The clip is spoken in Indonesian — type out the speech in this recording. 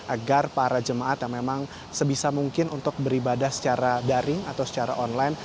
agar para jemaat yang memang sebisa mungkin untuk beribadah secara daring atau secara online